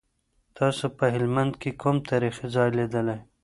تاسو په هلمند کي کوم تاریخي ځای لیدلی؟